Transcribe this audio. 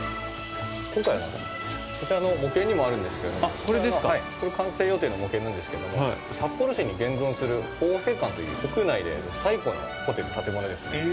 今回は、こちらの模型にもあるんですけどこれ完成予定の模型なんですけれども札幌市に現存する豊平館という国内で最古のホテル、建物ですね。